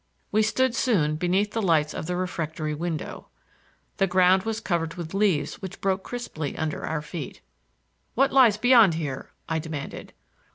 We stood soon beneath the lights of the refectory window. The ground was covered with leaves which broke crisply under our feet. "What lies beyond here?" I demanded.